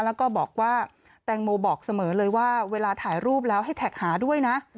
แล้วก็บอกว่าแตงโมบอกเสมอเลยว่าเวลาถ่ายรูปแล้วให้แท็กหาด้วยนะ